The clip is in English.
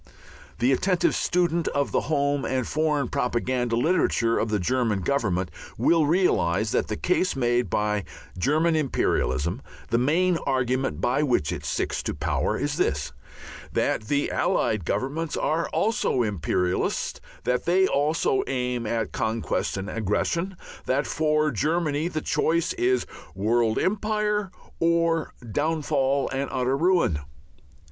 The attentive student of the home and foreign propaganda literature of the German Government will realize that the case made by German imperialism, the main argument by which it sticks to power, is this, that the Allied Governments are also imperialist, that they also aim at conquest and aggression, that for Germany the choice is world empire or downfall and utter ruin.